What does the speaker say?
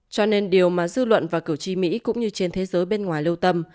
cho nên điều mà dư luận và cử tri mỹ cũng như trên thế giới bên ngoài lưu tâm